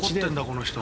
この人。